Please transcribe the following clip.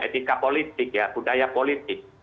etika politik ya budaya politik